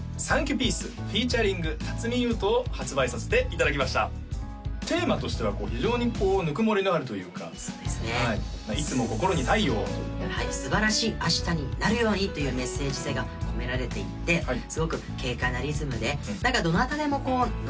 ピースｆｅａｔ．辰巳ゆうと」を発売させていただきましたテーマとしては非常にこうぬくもりのあるというかそうですねいつも心に太陽をというねすばらしい明日になるようにというメッセージ性が込められていてすごく軽快なリズムで何かどなたでもこうノ